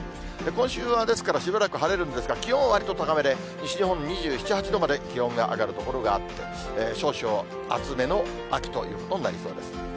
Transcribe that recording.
今週は、ですからしばらく晴れるんですが、気温はわりと高めで、西日本、２７、８度まで気温が上がる所があって、少々暑めの秋ということになりそうです。